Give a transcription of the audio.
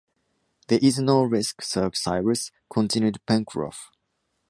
There is no risk, Sir Cyrus, continued Pencroff.